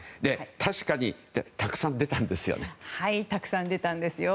確かにたくさん出たんですよね。